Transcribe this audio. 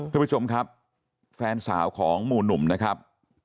ทุกผู้ชมครับแฟนสาวของหมู่หนุ่มนะครับ